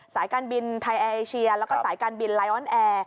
สายการบินไทยแอร์เอเชียแล้วก็สายการบินไลออนแอร์